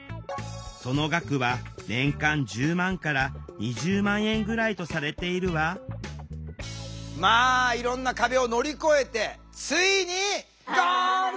その額は年間１０万から２０万円ぐらいとされているわまあいろんな壁を乗り越えてついにゴール！